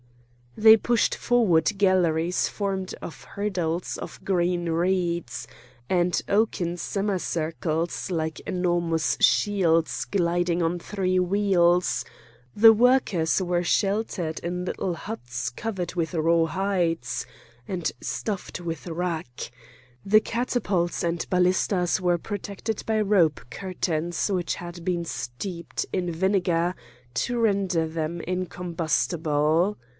They pushed forward galleries formed of hurdles of green reeds, and oaken semicircles like enormous shields gliding on three wheels; the workers were sheltered in little huts covered with raw hides and stuffed with wrack; the catapults and ballistas were protected by rope curtains which had been steeped in vinegar to render them incombustible.